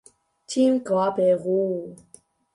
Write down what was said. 三鶯龍窯橋